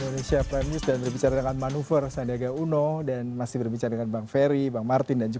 dari sisi kami begitu